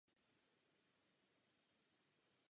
Do dnešních dnů se dochovaly jen ruiny.